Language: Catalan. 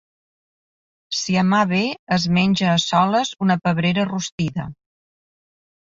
Si a mà ve es menja a soles una pebrera rostida.